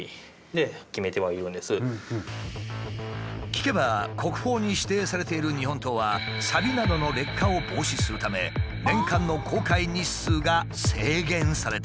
聞けば国宝に指定されている日本刀はさびなどの劣化を防止するため年間の公開日数が制限されているという。